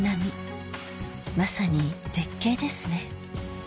まさに絶景ですね